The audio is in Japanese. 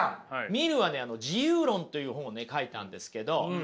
ミルはね「自由論」という本をね書いたんですけどこれはね